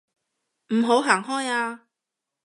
唔好行開啊